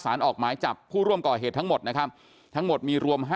ออกหมายจับผู้ร่วมก่อเหตุทั้งหมดนะครับทั้งหมดมีรวม๕